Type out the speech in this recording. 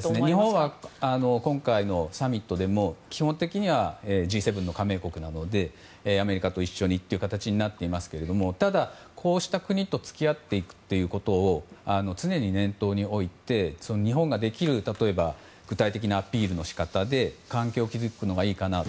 日本は今回のサミットでも基本的にはＧ７加盟国などでアメリカと一緒にという形になっていますがただ、こうした国と付き合っていくことを常に念頭に置いて日本ができる具体的なアピールの仕方で関係を築くのがいいかなと。